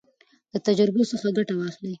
له تجربو څخه ګټه واخلئ.